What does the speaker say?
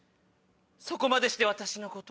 そこまでして私のこと。